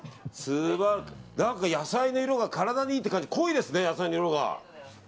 野菜の色が体にいいって感じで濃いですね、野菜の色が。